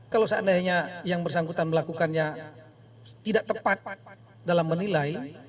kalau seandainya yang bersangkutan melakukannya tidak tepat dalam menilai